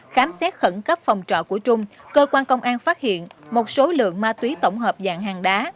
khám xét khẩn cấp phòng trọ của trung cơ quan công an phát hiện một số lượng ma túy tổng hợp dạng hàng đá